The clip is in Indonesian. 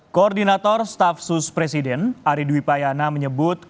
koordinator stafsus presiden aridwi payana menyebut